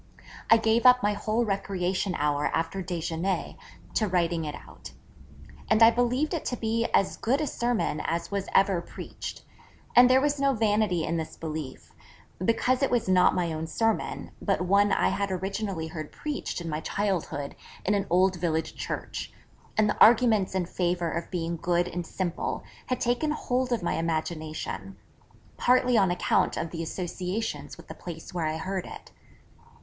I gave up my whole recreation hour after déjeuner to writing it out. And I believed it to be as good a sermon as was ever preached. And there was no vanity in this belief: because it was not my own sermon, but one I had originally heard preached in my childhood in an old village church, and the arguments in favour of being good and simple had taken hold of my imagination, partly on account of the associations with the place where I heard it.